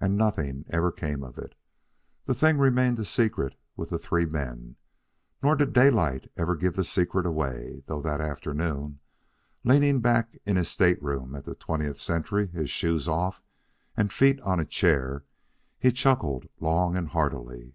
And nothing ever came of it. The thing remained a secret with the three men. Nor did Daylight ever give the secret away, though that afternoon, leaning back in his stateroom on the Twentieth Century, his shoes off, and feet on a chair, he chuckled long and heartily.